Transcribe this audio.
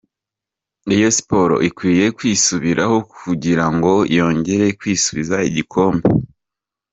Rayon Sports ikwiye kwisubiraho kugira ngo yongere kwisubiza igikombe.